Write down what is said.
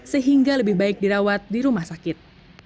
sehingga lebih baik dirawat di rumah sakit